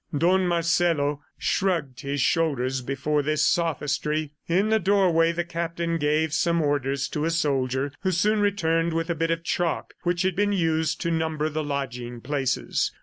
Don Marcelo shrugged his shoulders before this sophistry. In the doorway, the captain gave some orders to a soldier who soon returned with a bit of chalk which had been used to number the lodging places.